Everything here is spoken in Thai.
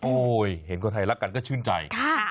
เห็นคนไทยรักกันก็ชื่นใจ